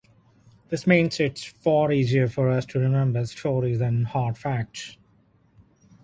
This means it's far easier for us to remember stories than hard facts.